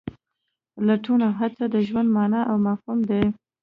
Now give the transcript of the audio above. لټون او هڅه د ژوند مانا او مفهوم دی.